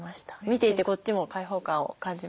見ていてこっちも開放感を感じましたね。